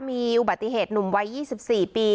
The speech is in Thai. มีอุบัติเหตุหนุ่มวัย๒๔ปี